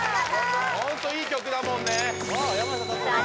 ・ホントいい曲だもんねあっ